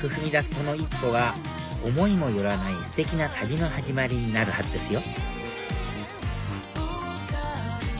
その一歩が思いも寄らないステキな旅の始まりになるはずですよ